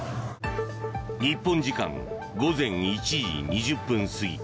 日本時間午前１時２０分過ぎ